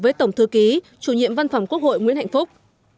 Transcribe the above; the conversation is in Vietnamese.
với tổng thư ký chủ nhiệm văn phòng quốc hội nguyễn hạnh phúc